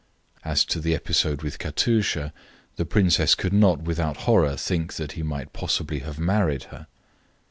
(As to the episode with Katusha, the princess could not without horror think that he might possibly have married her.)